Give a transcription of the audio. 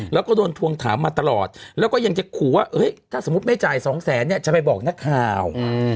แล้วก็โดนทวงถามมาตลอดแล้วก็ยังจะขู่ว่าถ้าสมมุติไม่จ่ายสองแสนเนี่ยจะไปบอกนักข่าว